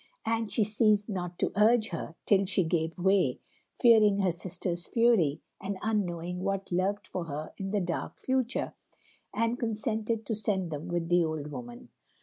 And she ceased not to urge her, till she gave way, fearing her sister's fury and unknowing what lurked for her in the dark future, and consented to send them with the old woman.